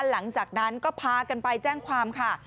หลังจากนั้นก็พากันไปแจ้งความค่ะ